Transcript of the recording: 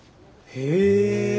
へえ。